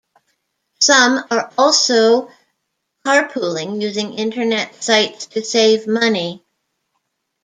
Some are also carpooling using Internet sites to save money.